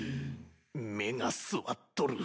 目が据わっとる。